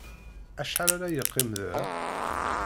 Acḥal ara yeqqim da?